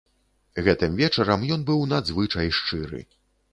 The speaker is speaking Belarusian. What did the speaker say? Гэтым вечарам ён быў надзвычай шчыры.